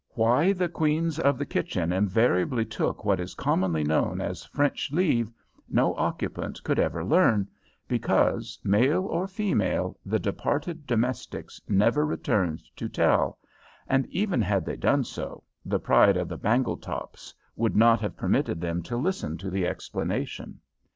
Why the queens of the kitchen invariably took what is commonly known as French leave no occupant could ever learn, because, male or female, the departed domestics never returned to tell, and even had they done so, the pride of the Bangletops would not have permitted them to listen to the explanation.